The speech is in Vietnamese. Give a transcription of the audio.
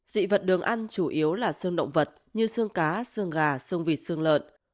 dị vật đường ăn chủ yếu là xương động vật như xương cá xương gà xương vịt xương lợn